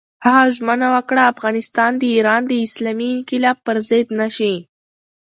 هغه ژمنه وکړه، افغانستان د ایران د اسلامي انقلاب پر ضد نه شي.